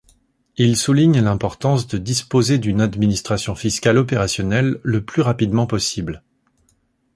Il souligne l'importance de disposer d'une administration fiscale opérationnelle le plus rapidement possible.